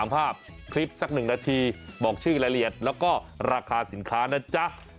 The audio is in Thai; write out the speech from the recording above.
ภาพคลิปสัก๑นาทีบอกชื่อรายละเอียดแล้วก็ราคาสินค้านะจ๊ะ